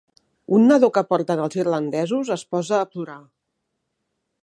Un nadó que porten els irlandesos es posa a plorar.